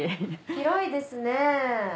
広いですね。